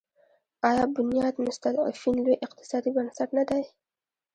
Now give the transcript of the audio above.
آیا بنیاد مستضعفین لوی اقتصادي بنسټ نه دی؟